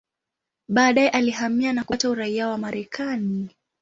Baadaye alihamia na kupata uraia wa Marekani.